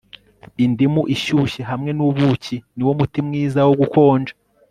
Indimu ishyushye hamwe nubuki niwo muti mwiza wo gukonja